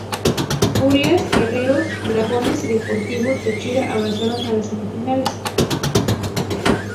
Furias, Guerreros, Dragones y Deportivo Táchira avanzaron a las semifinales.